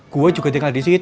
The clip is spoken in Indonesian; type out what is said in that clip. gue juga tinggal di sini